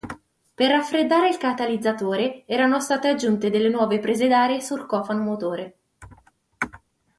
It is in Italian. Per raffreddare il catalizzatore erano state aggiunte delle nuove prese d'aria sul cofano motore.